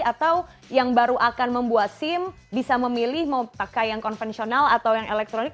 atau yang baru akan membuat sim bisa memilih mau pakai yang konvensional atau yang elektronik